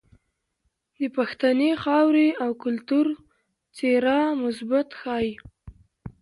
د پښتنې خاورې او کلتور څهره مثبت ښائي.